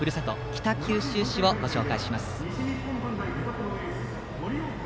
北九州市をご紹介します。